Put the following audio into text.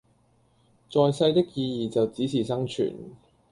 在世的意義就只是生存